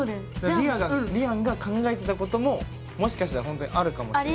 りあんが考えてたことももしかしたら本当にあるかもしれないし。